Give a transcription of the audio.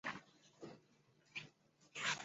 该组织在政治上属于建制派。